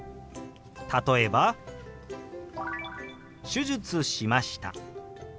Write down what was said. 例えば「手術しました」。